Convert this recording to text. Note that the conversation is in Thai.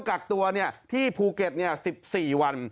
จากตัวเนี่ยที่ภูเก็ตเนี่ย๑๔วัน